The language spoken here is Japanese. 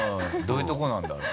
どういうとこなんだろう？